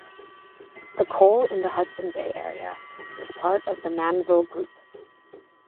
The coal in the Hudson Bay area is part of the Mannville Group.